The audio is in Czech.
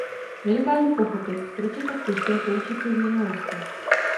Nedokážu pochopit, proč je tak těžké poučit se z minulosti.